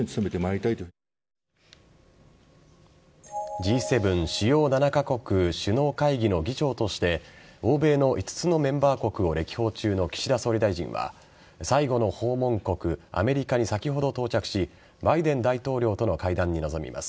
Ｇ７＝主要７カ国首脳会議の議長として欧米の５つのメンバー国を歴訪中の岸田総理大臣は最後の訪問国アメリカに先ほど到着しバイデン大統領との会談に臨みます。